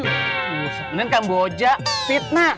sebenernya kamboja fitnah